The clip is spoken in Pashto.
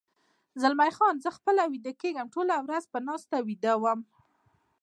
زلمی خان: زه خپله ویده کېږم، ټوله ورځ په ناسته ویده وم.